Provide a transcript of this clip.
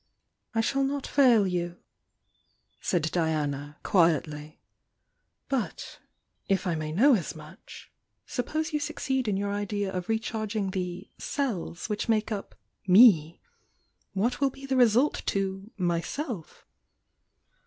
"I shall not fail you," said Diana, quietly. "But, — if I may know as much, — suppose you succeed in THE YOUNG DIANA 209 your idea of recharging the 'cells' which make up Me, what will be the result to Myself?"